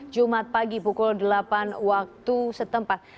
jumat pagi pukul delapan waktu setempat